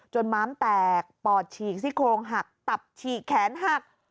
ม้ามแตกปอดฉีกซี่โครงหักตับฉีกแขนหัก